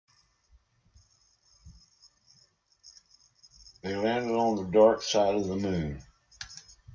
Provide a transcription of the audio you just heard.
They landed on the dark side of the moon.